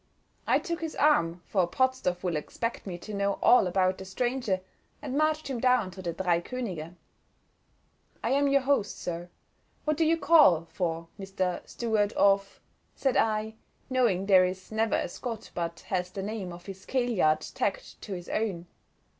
I took his arm, for Potzdorff will expect me to know all about the stranger, and marched him down to the Drei Könige. "I am your host, sir; what do you call for, Mr. Stuart of —?" said I, knowing there is never a Scot but has the name of his kailyard tacked to his own.